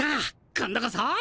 今度こそ！